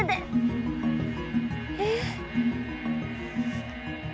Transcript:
えっ？